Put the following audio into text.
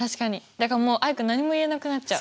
だからもうアイク何も言えなくなっちゃう。